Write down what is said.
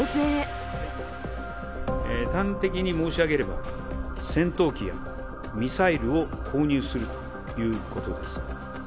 端的に申し上げれば、戦闘機やミサイルを購入するということです。